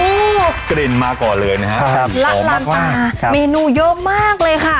โอ้โหกลิ่นมาก่อนเลยนะฮะใช่ครับร้านปลาเมนูเยอะมากเลยค่ะ